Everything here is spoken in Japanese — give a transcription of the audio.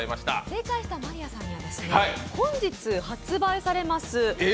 正解した真莉愛さんには本日発売されます